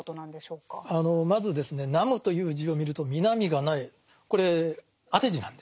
まずですね「南無」という字を見ると「南」が無いこれ当て字なんです。